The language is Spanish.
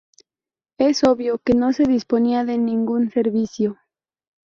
Es obvio que no se disponía de ningún servicio.